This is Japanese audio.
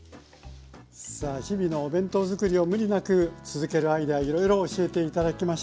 さあ日々のお弁当づくりを無理なく続けるアイデアをいろいろ教えて頂きました。